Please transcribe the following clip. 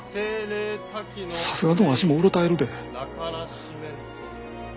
さすがのわしもうろたえるで。